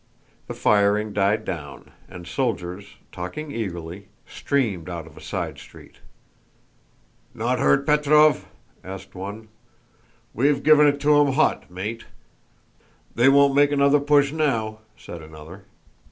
The firing died down and soldiers, talking eagerly, streamed out of a side street. "Not hurt, Petróv?" asked one. "We've given it 'em hot, mate! They won't make another push now," said another.